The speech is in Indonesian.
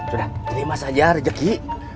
sudah terima saja rejeki